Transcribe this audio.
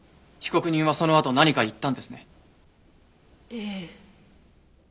被告人はそのあと何か言ったんですね？